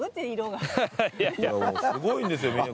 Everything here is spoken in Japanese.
すごいんですよ